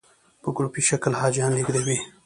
په ګروپي شکل حاجیان لېږدوي.